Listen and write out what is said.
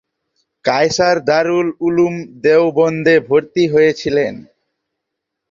কায়সার দারুল উলুম দেওবন্দে ভর্তি হয়েছিলেন।